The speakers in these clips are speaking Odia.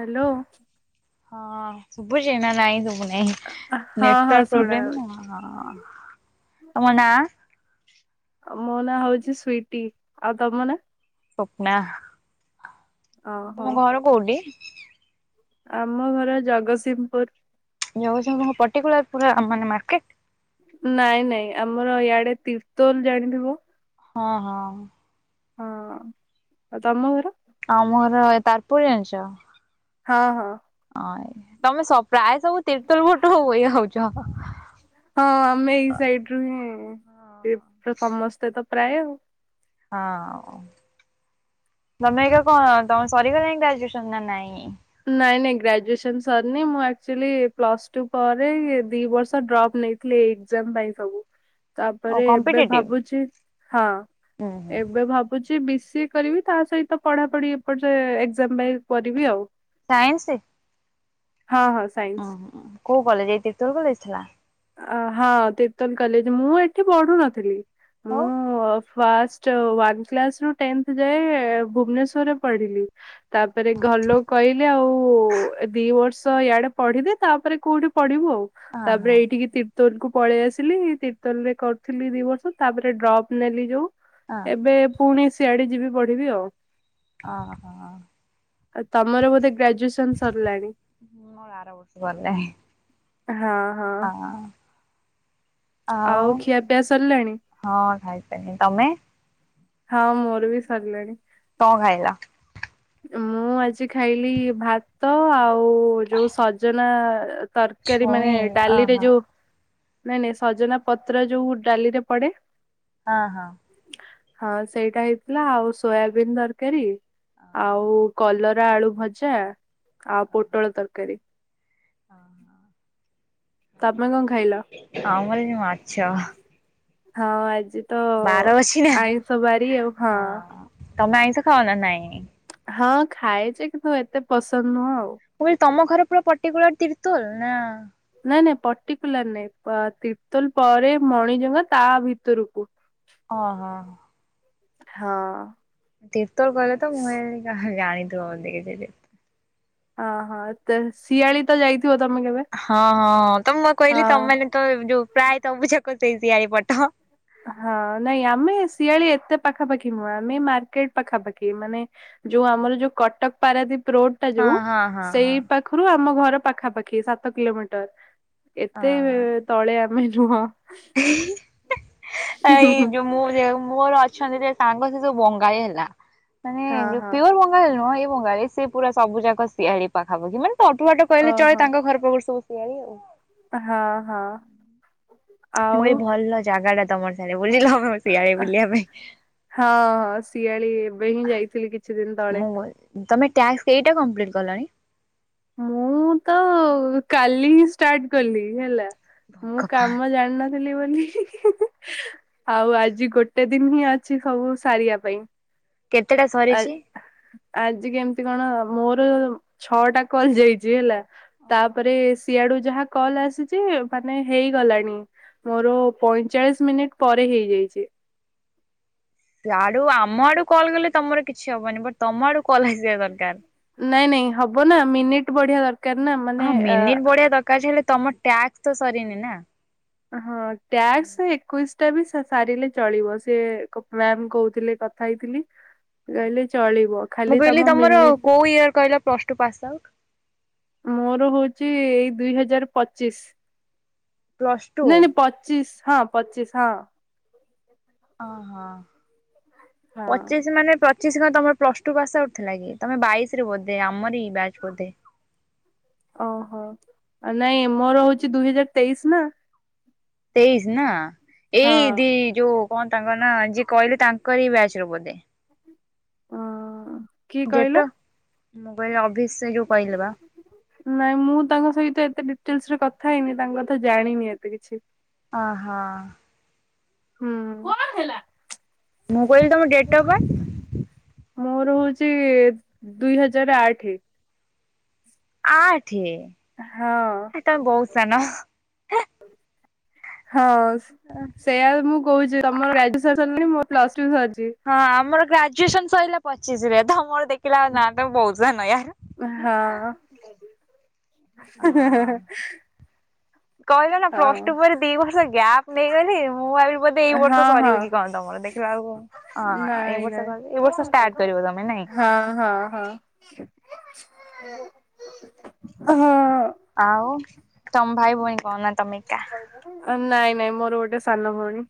ହ୍ୟାଲୋ। ହଁ ଶୁଭୁଚି ନା ନାହିଁ ଶୁବୁ ନାଇଁ? ହଁ ହଁ ନେଟୱାର୍ ଶୁଣା ପ୍ରୋବ୍ଲେମ୍ ଯାଉଛି ଆଁ ତମ ନାଁ? ଆ ମୋ ନାଁ ହଉଛି ସ୍ଵିଟି। ଆଉ ତମ ନାଁ? ସ୍ଵପ୍ନା। ଓହୋ ତୁମ ଘର କୋଉଠି? ଆମ ଘର ଜଗତସିଂହପୁର। ଯଉ କଁ ପର୍ଟିକୁଲ ପୁରା ମାନେ ମାର୍କେଟ? ନାଇଁ ନାଇଁ ଆମର ଇଆଡ଼େ ତିର୍ତୋଲ ଜାଣିଥିବ? ହଁ ହଁ। ହଁଉ ଅଁ ତମ ଘର? ଆମଘର ତାରପୁର ଜାଣିଚ? ହଁ ହଁ। ହଁ ତମେ ପ୍ରାୟ ସବୁ ତିର୍ତୋଲ ଭଟ ହ ଇଏ ହଉଚ। ହଁ ଆମେ ଏଇ ସାଇଟିରୁ ହିଁ ସମସ୍ତେତ ପ୍ରାୟ ଆଉ। ହଁ ତମେ ଏକା କଁ ତମେ ସରିଗଲାଣି ଗ୍ରାଜୁଏସନନା ନାଇଁ? ନାଇଁ ନାଇଁ ଗ୍ରାଜୁଏସନ୍ ସରିନି ମୁଁ ଆକ୍ଚୁଲି ପ୍ଲସ୍ ଟୁ ପରେ ଦି ବର୍ଷ ଡ୍ରପ୍ ନେଇ ଏଗ୍ଜାମ୍ ପାଇଁ ସବୁ ଓ ତାପରେ ଏବେ କମ୍ପିଟେଟିଭ୍ ଭାବୁଚି ହଁ। ହୁଁ ହୁଁ ଏବେ ଭାବୁଚି ବି ସିଏ କରିବି ତାସହିତ ପଢାପଢି ଏପଟେ ଏକ୍ଜାମ୍ କରିବି ଆଉ। ସାଇନ୍ସ? ହଁ ହଁ। ସାଇନ୍ସ ଓହୋ କୋଉ କଲେଜ୍ ଏଇଥିତୋତ କଲେଜ୍ ଥିଲା? ହଁ ତେତଲ କଲେଜ୍ ମୁଁ ଏଠି ପଢୁ ନଥିଲି ଓ ମୁଁ ଫାଷ୍ଟ୍ ୱନ୍ କାଲ୍ସରୁ ଟେନ୍ଥେ ଯାଏ ଭୁବନେଶ୍ୱରରେ ପଢ଼ିଲି ତାପରେ ଘରଲୋକ କହିଲେ ଆଉ ଦି ବର୍ଷ ଇଆଡ଼େ ପଢିଦେ ତାପରେ କୋଉଠି ପଢିବୁ ଆଉ ହଁ ହଁ ତାପରେ ଏ ିକି ତିର୍ତୋଲ କୁ ପଳେଇ ଆସିଲି ତିର୍ତୋଲ ରେ କରୁଥିଲି ଦି ବର୍ଷ ତାପରେ ଡ୍ରପ୍ ନେଲି ଯୋଉ ହଁ ଏବେ ପୁଣି ସିଆଡ଼େ ଯିବି ପଢିବି ଆଉ। ଅଁ ହଁ ହଁ ହଁ। ଆଉ ତମର ବୋଧେ ଗ୍ରାଜୁଏ ହଁ ମୋ ଆର ବର୍ଷ ଗଲେ ହଁ ହଁ। ଆଉ ଖିଆ ପିଆ ସରିଲାଣି? ହଁ ଖାଇସାରିଲିଣି ତମେ? ହଁ ମୋରବି ସରିଲାଣି। କଁ ଖାଇଲ। ମୁଁ ଆଜି ଖାଇଲି ଭାତ ଆଉଯୋଉ ସଜନା ତରକାରୀ ମାନେ ଛୁଇଁ ଡାଲିରେ ଅହୋ ଯୋଉ ନାଇଁ ନାଇଁ ସଜନା ପତ୍ର ଯୋଉ ଡାଲିରେ ପଡ଼େ ହଁ ହଁ। ହଁ ସେଇଟା ହେଇଥିଲା ଆଉ ସୋୟାବିନ୍ ଦରକାରୀ ଆଉ କଲରା ଆଳୁ ଭଜା ଆଉ ପୋଟଳ ତରକାରୀ। ହଁ ହଁ। ତମେ କଁ ଖାଇଲ ଆମର ବି ମାଛ ହଁ ଆଜି ତ ବାର ଅଛି ନା ଆଇଁଷ ବାରି ଆଉ ହଁ। ତମେ ଆଇଁଷ ଖାଉନା ନାଇଁ? ହଁ ଖାଏଯେ କିନ୍ତୁ ଏତେ ପସନ୍ଦ ନୁହଁ ଆଉ। ମୁଁ କହିଲି ତମ ଘର ପୁରା ପର୍ଟିକୁଲାର ତିର୍ତୋଲ ନା? ନାଇଁ ନାଇଁ ପର୍ଟିକୁଲାର ନାଇଁ ତିର୍ତୋଲ ପରେ ମଣିଜଙ୍କା ତା ଭିତରକୁ। ଅହଁ। ହଁ। ତିର୍ତୋଲ କହିଲତ ମୁଁ ଭାବିଲି କଳେ ଜାଣିଥିବ ବୋଧେ କିଛି। ଅହ ତ ଶିଆଳି ତ ଯାଇଥିବ ତମେ କେବେ? ହଁ ହଁ ତ ମୁଁ କହିଲି ହଁ ତମମାନେ ତ ଯୋଉ ପ୍ରାୟ ତବୁଜାକ ସେଇ ଶିଆଳି ପଟ। ହଁ ନାଇଁ ଆମେ ଶିଆଳି ଏତେ ପାଖାପାଖି ନୁହଁ ଆମେ ମାର୍କେଟ ପାଖାପାଖି ମାନେ ଯୋଉ ଆମର ଯୋଉ କଟକ ପାରାଦୀପ ରୋଡ୍ ଟା ହଁ ଯୋଉ ହଁ ହଁ ସେଇ ହଁ ପାଖ ପାଖରୁ ଆମ ଘର ପାଖାପାଖି ସାତ କିଲୋମିଟର ଏତେ ହଁ। ତଳେ ଆମେ ନୁହଁ। ଏଇ ଜୁ ମୁଁ ଯୋଉ ମୋର ଅଛନ୍ତି ଯେ ସାଙ୍ଗ ସେ ଯୋଉ ବଙ୍ଗାଳୀ ହେଲା ମାନେ ହଁ ଯୋଉ ହଁ ପିଓର ବଙ୍ଗାଳୀ ହେଲ ନୁହଁ ଏଇ ବଙ୍ଗାଳୀ। ସିଏ ପୁରା ସବୁଯାକ ସିଆଳି ପାଖାପାଖି ମାନେ ତ ଅଠୁ ବାଟ କହିଲେ ଓହୋ ଚଳେ ତାଙ୍କ ଘର ପାଖରୁ ସବୁ ଶିଆଳି ଆଉ। ହଁ ହଁ। ଆଉ ମୁଁ ଏଇ ଭଲ ଜାଗା ଟା ତମର ତାହେଲେ ବୁଝିଲ। ହଁ ହଁ ଶିଆଳି ଏବେ ହିଁ ଯାଇଥିଲି କିଛି ଦିନି ତଳେ। ମୁଁ ତମେ ଟାସ୍କେ କେଇଟା କମ୍ପ୍ଲିଟ୍ କଲଣି? ମୁଁ ତ କାଲି ହିଁ ଷ୍ଟାର୍ଟ କଲି ହେଲା। ମୁଁ ଭଗବାନ କାମ ଜାଣିନଥିଲି ବୋଲି ଆଉ ଆଜି ଗୋଟେ ଦିନି ହିଁ ଅଛି ସବୁ ସାରିବା ପାଇଁ। କେତେଟା ଆ ସରିଛି? ଆଜି କେମିତି କଣ ମୋର ଛଅଟା କଲ୍ ଯାଇଚି ହେଲା। ତାପରେ ସିଆଡୁ ଯାହା କଲ ଆସିଚି ମାନେ ହେଇଗଲାଣି। ମୋର ପଇଁଚାଁଳିଶି ମିନିଟ୍ ପରେ ହେଇଯାଇଛି। ସେ ଆଡୁ ଆମ ଆଡୁ କଲ୍ ଗଲେ ତମର କିଛି ହବନି ବଟ ତମ ଆଡୁ କଲ୍ ଆସିବା ଦର୍ କାର। ନାଇଁ ନାଇଁ ହବ ନା ମିନିଟ୍ ବଢିଆ ଦରକାର ନା ହଁ ମାନେ ଆ ମିନିଟ ଦରକାର ଯେ ହେଲେ ତମ ଟ୍ୟାକ୍ସ ତ ସରିନି ନା। ହଁ ଟ୍ୟାକ୍ସେ ଏକୋଇଶି ଟା ବି ସାରିଲେ ଚଳିବ ସେ କୋ ମ୍ୟାମ୍ କୋହୁଥିଲେ ତ। କଥା ହେଇଥିଲି କହିଲେ ଚଳିବ। ମୁଁ ଖାଲି ତମ କହିଲି ତମର ମିନି କୋଉ ଇୟର କହିଲ ପ୍ଲସ୍ ଟୁ ପାସ୍ ଆଉଟ୍। ମୋର ହୋଉଚି ଏଇ ଦୁଇ ହଜାର ପଚିଶ୍। Plus two. ନାଇଁ ନାଇଁ ପଚିଶି ହଁ ପଚିଶି ହଁ। ଅହ ହଁ ପଚିଶି ମାନେ ପଚିଶି କି ତମର ପ୍ଲସ୍ ଟୁ ପାସ୍ ଆଉଟ ଥିଲା କି? ତମେ ବାଇଶରେ ବୋଧେ ଆମରି ବ୍ୟାଚ୍ ବୋଧେ। ଅହ ନାଇଁ ମୋର ହୋଉଚି ଦୁଇ ହଜାର ତେଇଶି ନା। ତେଇଶି ନା ହଁ ଏଇ ଦି ଯୋଉ କଣ ତାଙ୍କର ନା ଯିଏ କହିଲେ ତାଙ୍କରି ବ୍ୟାଚ ର ବୋଧେ। ହଁ। ଯେଟ ମୁଁ କହିଲି ଅଭିଷେକ ସେ ଯୋଉ କହିଲେ ବା। ହ [inaudible] ନାଇଁ ମୁଁ ତାଙ୍କ ସହିତ ଏତେ ଡିଟେଲସରେ କଥା ହେଇନି ତାଙ୍କ କଥା ଜାଣିନି ଏତେ କିଛି। ଅହଁ। ହୁଁ କଣ ହେଲା। ମୁଁ କହିଲି ତମ ଡେଟ୍ ଅଫ୍ ବାର୍ଥେ? ମୋର ହୋଉଚି ଦୁଇ ହଜାର ଆଠେ। ଆଠେ? ହଁ। ହେ ତମେ ବୋହୁତ୍ ସାନ। ହଁ। [inaudible] ସେୟଆ ମୁଁ କହୁଛି ତମର ଗ୍ରାଜୁଏସନ ସିଲଣି ମୁଁ ପ୍ଲସ ଟୁ ସରିଛି। ହଁ ଆମର ଗ୍ରାଜୁଏସନ ସରିଲା ପଚିଶ ରେ ତମର ଦେଖିଲା ଆ ନା ତମ ବହୁତ [unintelligible] ହଁ। ଅ କହିଲ ନା ପ୍ଲସ ଟୁ ହଁ ପରେ ଦି ବର୍ଷ ଗ୍ୟାପ୍ ନେଇଗଲି ମୁଁ [unintelligible] ଏଇ ହଁ ବର୍ଷ ହଁ ସରିବ କି କଣ ତମର ଦେଖିଲା ବେଳକୁ [unintelligible] ହଁ ଏଇ ନାଇଁ ବର୍ଷ ନାଇଁ କ ଏଇ ବର୍ଷ ଷ୍ଟାର୍ଟ କରିବ ତମେ ନାଇଁ? ହଁ ହଁ ହଁ ହଁ। ଆଉ ତମ ଭାଇ ଭଉଣୀ [unintelligible] ନାଇଁ ନାଇଁ ମୋର ଗୋଟେ ସାନ ଭଉଣୀ।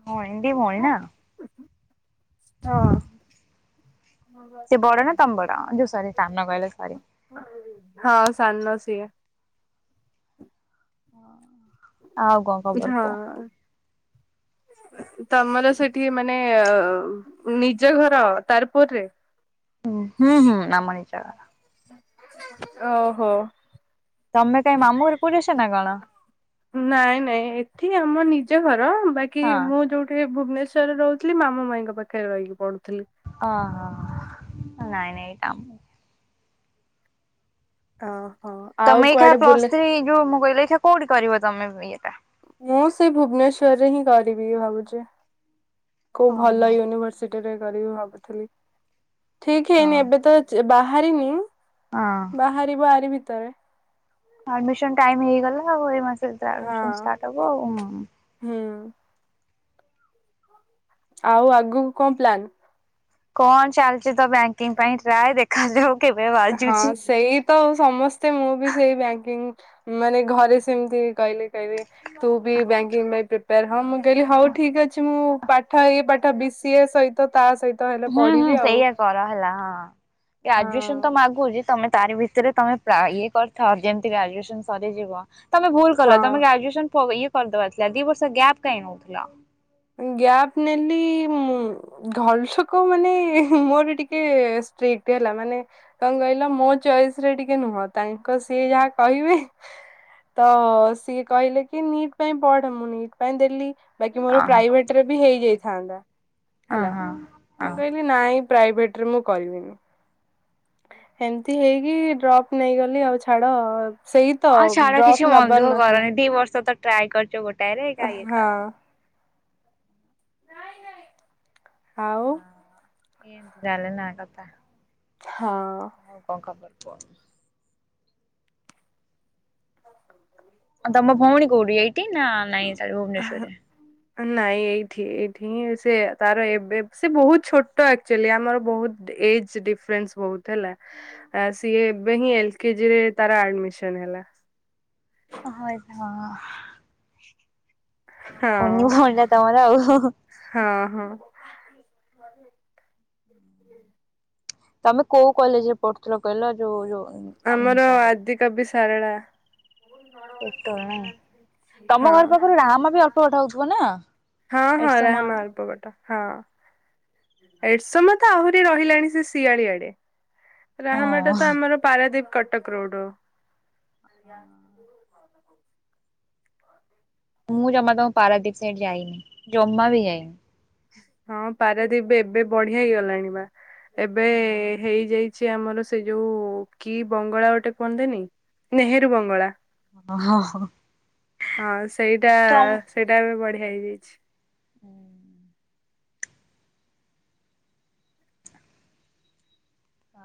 [unintelligible] ହଁ। ସେ ବଡ ନା ତମେ ବଡ? ଯୋଉ ସରି [unintelligible] କହିଲ [unintelligible] ହଁ ସାନ [unintelligible] ହଁ। ହଁ। ତମର ସେଠି ମାନେ ନିଜ ଘର ତାରପୁରରେ? ହୁଁ ହୁଁ ହୁଁ ଆମର ନିଜ ଘର। ଓହୋ। ତମେ କାହିଁ ମାମୁ ଘରେ କୋଉଠି [unintelligible] ଅଛ ନା କଣ? ନାଇଁ ନାଇଁ ଏଠି ଆମ ନିଜ ଘର, ବାକି ହଁ ମୁଁ ଯୋଉଠି ଭୁବନେଶ ରେ ରହୁଥିଲି ମାମା ମାଇଙ୍କ ପାଖରେ ରହିକି ପଢୁଥିଲି। ଓହୋ ନାଇ ନାଇ। ଅହୋ। ତମେ ଏଇଖା ପ୍ଲସ୍ ଥ୍ରୀ ଯୋଉ ମୁଁ କହିଲ ଏଇଖା କୋଉଠି କରିବ ତମେ ଇଏଟା? ମୁଁ ସେ ଭୁବନେଶ୍ଵରରେ ହିଁ କରିବି ଭାବୁଛି କୋଉ ଓହୋ ଭଲ ୟୁନିଭର୍ସି। [unintelligible] କରିବି ଭାବୁଚି ଠିକ ହଁ ହେଇନି ହଁ ଏବେ ତ ବାହାରିନି। ହଁ। ବାହାରିବ [unintelligible] ଆଡମିସନ ଟାଇମ ହେଇଗଲା ଆଉ, ଏଇ ମାସ ଆମ ଷ୍ଟାର୍ଟ ହବ ଆଉ। ହଁ। ଆଉ ଆଗକୁ କଣ ପ୍ଲାନ୍? କଣ ଚାଲିଚ ତ ବ୍ୟାଙ୍କିଙ୍ଗ ପାଇଁ ଟ୍ରାଏ ଦେଖାଯାଉ। କେବେ ହଁ ବାଜୁଛି। ସେଇ ତ ସମସ୍ତେ ମୁଁ ବି ସେଇ ବ୍ୟାଙ୍କିଙ୍ଗ ମାନେ ଘରେ ସେମିତି କହିଲେ [unintelligible] ତୁ ବି ବ୍ୟାଙ୍କିଙ୍ଗ ପାଇଁ ପ୍ରିପେୟାର ହଁ ମୁଁ କହି ହଉ ଠିକ ଅଛି ମୁଁ ପାଠ ଏ ପାଠ ବି ସିଏ ସହି ତ ତା ସେଇ ହୁଁ ହୁଁ ସେଇଆ କର ହେଲା ହଁ ହଁ ଗ୍ରାଜୁଏସନ ତ କହୁ ତମେ ତାରି ଭିତରେ ତମେ ଇଏ କରିଥାଅ ଯେମିତି ଗ୍ରାଜୁଏସନ ସରିଯିବ ତମେ ଭୁଲ ଗଲ ହଁ। ତମେ ଗ୍ରାଜୁଏସନ ଇଏ କରିଦବାର ଥିଲା, ଦି ବର୍ଷ ଗ୍ୟାପ୍ କାହିଁ ନଉଥିଲା? ଗ୍ୟାପ ନେଲି ଘରଲୋକ ମାନେ ମୋର ଟିକେ ଷ୍ଟ୍ରେଟ ହେଲା, ମାନେ କଣ କହିଲ ମୋ ଚଏସ ରେ ଟିକେ ନୁହଁ, ତାଙ୍କ ସିଏ ଯାହା କହିବେ ତ ସିଏ କହିଲେ କି ନିଟ୍ ପାଇଁ ପଢ, ମୁଁ ନିଟ୍ ପାଇଁ ଦେଲି ବାକି ମୋର ଅହଁ ପ୍ରାଇଭେଟ ରେ ବି ହେଇଯାଇଥାନ୍ତା, ହେଲା ଅହଁ ଅଁ। ମୁଁ କହି ନାଇଁ ପ୍ରାଇଭେଟ ରେ ମୁଁ କରିବିନି। ଏମିତି ହେଇକି ଡ୍ରପ୍ ନେଇଗଲି ଆଉ ଛାଡ। ସେଇ ତ ହଁ ଛାଡ କିଛି ଡ୍ରପ୍ ମନ ନବାର ଦୁଃଖ ନଥିଲା। କରନି ଦି ବର୍ଷ ତ ଟ୍ରାଏ କରିଛ ଗୋଟାଏରେ ଇଏ ହଁ କର। ଆଉ। [unintelligible] ହଁ। ଆଉ କଣ ଖବର କୁହ। ତମ ଭଉଣୀ କୋଉଠି ଏଇଠି ନା ନାଇଁ ଭୁବନେଶ୍ଵର ରେ। ନାଇଁ ଏଇଠି ଏଇଠି ହିଁ ସେ ତାର ଏବେ ସେ ବହୁତ ଛୋଟ ଆକ୍ଚୁଆଲି ଆମର ବହୁତ ଏଜ୍। ଡିଫରେନ୍ସ ବହୁତ ହେଲା ଆ ସିଏ ଏବେ ହିଁ ଏଲ କେଜି ରେ ତାର ଆଡମିସନ ହେଲା। ହଁ ହଁ କୁନି ଭଉଣୀ ଟା ତମର। ହଁ ହଁ। [inaudible] ହୁଁ। ତମେ କୋଉ କଲେଜ ରେ ପଢୁଥିଲ କହିଲ ଯୋଉ ଯୋଉ। ଆମର ସରି ଆଦି କବି ସାରଳା। ହଁ। [unintelligible] ପୁଅ ଟା ଉଠିବନା। ହଁ ହଁ ରାହାମା ଅଳ୍ପ ବା। ହଁ ଏଡଶ ମ ତ ଆହୁରି ରହିଲାଣି ସେ ଶିଆଳିଆଡେ। ରାହାମାଟା ହଁ। ତ ଆମର ପାରାଦୀପ କଟକ ରୋଡ। ମୁଁ ଜମା ବି ତମ ପାରାଦ୍ୱୀପ ସାଇଡ ଯାଇନି ଜମା ବି ଯାଇନି। ହଁ ପାରାଦ୍ୱୀପ ଏବେ ବଢିଆ ହେଇଗଲାଣି ବା ଏବେ ହେଇଯାଇଛି। ଛି ଆମର ସେ ଯୋଉ କି ବଙ୍ଗଳା ଗୋଟେ କୁହନ୍ତନି ନେହେରୁ ବଙ୍ଗଳା। ହଁ ହଁ। ହଁ। ହଁ ସେଇଟା ସେଇଟା ଏବେ ବଢିଆ ହେଇଯାଇଛି। ହୁଁ।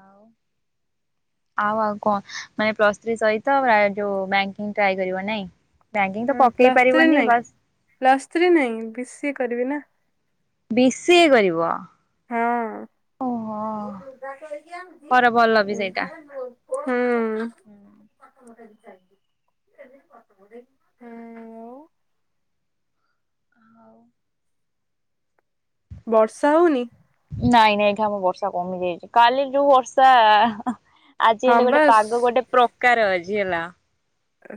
ଆଉ ଆଉ ଆଉ କଣ ମାନେ ପ୍ଲସ୍ ଥ୍ରି ସହିତ ଯୋଉ [unintelligible] ନାଇଁ। ବ୍ୟାଙ୍କିଙ୍ଗ ତ ହଁ ପକେଇ ପ୍ଲସ୍ ଥ୍ରୀ ପାରିବନି ନାଇଁ ବାସ୍। ପ୍ଲସ୍ ଥ୍ରୀ ନାଇଁ ବି ସି କରିବି ନା। ବିଶି ଏ କରିବ। ହଁ। ଓହୋ। କର ଭଲ ବି ସେଇଟା। ହୁଁ। ହଁ ଆଉ। ବର୍ଷା ହଉନି। ନାଇଁ ନାଇଁ ଆମର ଏଠି ବର୍ଷା କମି ଯାଇଛି କାଲି ଯୋଉ ବର୍ଷା। ଆଜି ହଁ ହେଲେ ଗୋଟେ ବାସ୍ ପାଗ ଗୋଟେ ପ୍ରକାର ଆଜି ହେଲା।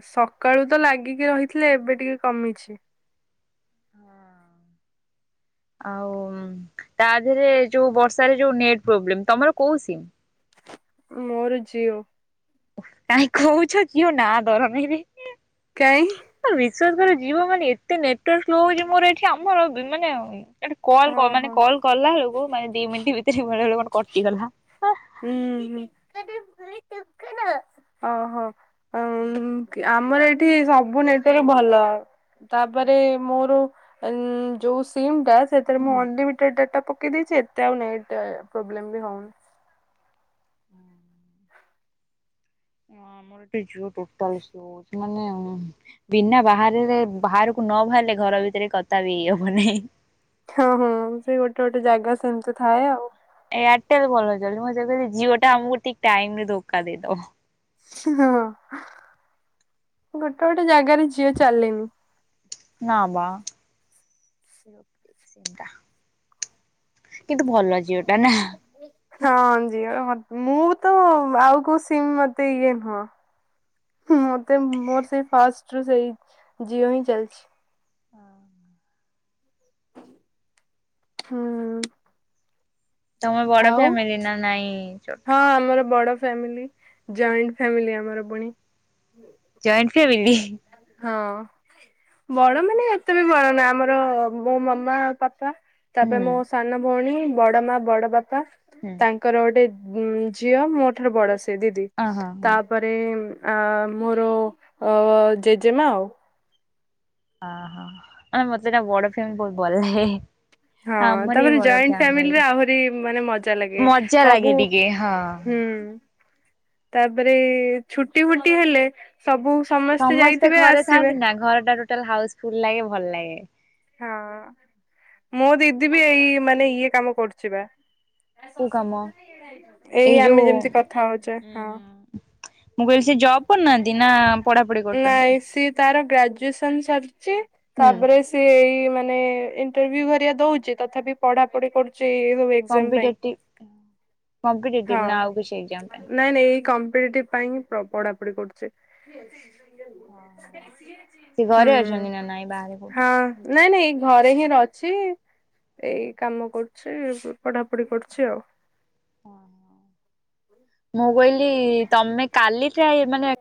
ସକାଳୁ ତ ଲାଗିକି ରହିଥିଲେ ଏବେ ଟିକେ କମିଛି। ହଁ। ଆଉ ତା ଦେହରେ ଯୋଉ ବର୍ଷାରେ ଯୋଉ ନେଟ୍ ପ୍ରୋବ୍ଲେମ ତମର କୋଉ ସିମ୍। ମୋର ଜିଓ। କାହିଁ କହୁଛ ଜୀଓ ନା ଧରନୀ। କାଇଁ। ବିଶ୍ୱାସ କରି ବେନି ଜୀଓ ମାନେ ଏତେ ନେଟୱାର୍କ ସ୍ଲୋ ହଉଛି ମୋର ଏଠି ଆମର ମାନେ। କଲ୍ ମାନେ ଓହୋ କଲ୍ କଲା ବେଳକୁ ମାନେ ଦି ମିନିଟ୍ ଭିତରେ ବେଳେ ବଳେ ମୋର କଟିଗଲା। ହୁଁ ହୁଁ ଅ ହ। ଆଉଁ କି ଆମର ଏଠି ସବୁ ନେଟୱାର୍କ ଭଲ। ତାପରେ ମୋର ଏନ୍‌ ଯୋଉ ସିମ ଟା ସେଥିରେ ମୁଁ ହୁଁ ଅନ ଲିମି ଟେଡ୍‌ ଡାଟା ପକେଇ ଦେଇଛି ଏତେ ଆଉ ନେଟେ ପ୍ରୋବ୍ଲେମ ବି ହଉନି। ହ ଆମର ଏଟି ଜିଓ ଟୋଟାଲି ସ୍ଲୋ ହଉଛି ମାନେ ବିନା ବାହାରେରେ ବାହାରକୁ ନ ଭାର୍ ଲେ ଘର ଭି ତେରେ କଥା ବି ହେଇ ହଉନି। ହଁ ହଁ ସେ ଗୋଟେ ଗୋଟେ ଜାଗା ସେମ୍ ତି ଥାଏ ଆଉ। ଏୟାରଟେଲ ଭଲ ଚାଲ୍ ଚି ମୁଁ ସେ କଇଲି ଜିଓ ଟା ଆମକୁ ଟିକ ଟାଇମ ରେ ଧୋକା ଦେଇଦବ। ହଁ ଗୋଟେ ଗୋଟେ ଜାଗାରେ ଜିଓଚାଲେନି। ନା ବା। କିନ୍ତୁ ଭଲ ହେହେଇଚି। [unintelligible] ହଁ ଜିଓର ହଟ୍ ମୁଁ ତ ଆଉ କୋଉ ସିମ ମତେ ଇଏ ନୁହଁ। ମତେ ମୋର ସେଇ ଫାଷ୍ଟ ରୁ ସେଇ ଜିଓ ହିଁ ଚାଲ୍‌ଛି। ହଁ। ହୁଁ। ତମେ ବଡ ଆଉ ଫ୍ୟାମିଲି ନା ନାଇଁ ଛୋ ହଁ ଆମର ବଡ ଫ୍ୟାମିଲି ଜଏଣ୍ଟ ଫ୍ୟାମିଲି ଆମର ପୁଣି। Joint family? ହଁ। ବଡ ମାନେ ଏତେ ବି ବଡ ନା ଆମର ମୋ ମାମା ଆଉ ପାପା। ତାପରେ ହୁଁ ମୋ ସାନ ଭଉଣୀ ବଡ ମା ବଡ ବାପା। ହୁଁ ତାଙ୍କର ଗୋଟେ ଉଁ ଝିଅ ମୋ ଠାରୁ ବଡ ସେ ଦିଦି ଅ ହଁ ତା ହଁ ପରେ ଆ ମୋର ଅ ଜେଜେମା ଆଉ। ଅହ ଅ ମତେ ନା ବଡ ଫ୍ୟାମିଲି ବହୁତ ଭଲ ଲାଗେ। ହଁ ଆମର ବି ତାପରେ ବଡ ଜଏଣ୍ଟ ଫାମିଲିରେ ଫ୍ୟାମିଲି। ଆହୁରି ମାନେ ମଜା ଲାଗେ ମଜା ଲାଗେ ସବୁ ଟିକେ ହଁ। ହୁଁ ତାପରେ ଛୁଟି ଭୁଟି ହେଲେ ସବୁ ସମେସ୍ତେ ଯାଇଥିବେ ଆସିବେ। ତାଙ୍କ ଘରଟା ଟାଲ ହାଉସ୍‌ଫୁଲ ଲାଗେ ଭଲ ଲାଗେ। ହଁ ମୋ ଦିଦି ବି ଏଇ ମାନେ ଇଏ କାମ କରୁଛି ବା। କୋଉ କାମ ଏଇ ଆମେ ଯୋଉ ଉଁ ଯେମ୍ ତି କଥା ହଉଛେ ହଁ। ହୁଁ। ମୁଁ କହିଲି ସେ ଜବ୍ କରୁନାହାନ୍ତି ନା ପଢା ପଢି ନାଇଁ କରୁଛନ୍ତି? ସିଏ ତାର ଗ୍ରାଜୁଏସନ ସାରିଛି ହୁଁ ତାପରେ ତେ ଏଇ ମାନେ ଇଣ୍ଟରଭି୍ୟୁ ଘରିବା ଦଉଛି ତଥାପି ପଢାପଢି କରୁଛି ସବୁ ଏ କମ୍ପିଟେଟିଭ ହଁ କମ୍ପିଟଟିଟିଭ ନା ଆଉ କିଛି ପାଇଁ? ନାଇଁ ନାଇ ଏଇ କମ୍ପିଟିଭ ପାଇଁ ହିଁ ପ୍ର ପଢାପଢି କରୁଛି। ଅହ ସେ ଘରେ ଅଛନ୍ତି ନା ନାଇଁ ବାହାରେ କୋଉଠି? ଆ ନାଇଁ ନାଇଁ ଏ ଘରେ ହିଁ ରଛି ଏଇ କାମ କରୁଛି ପଢାପଢି କରୁଛି ଆଉ। ହଁ ହଁ। ମୁଁ କହିଲି ତମେ କାଲିଠା ଏଇମାନେ